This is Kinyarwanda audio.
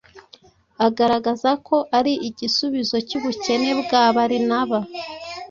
agaragaza ko ari igisubizo cy’ubukene bwa Barinaba.